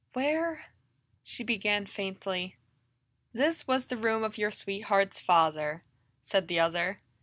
"Where " she began faintly. "This was the room of your sweetheart's father," said the other.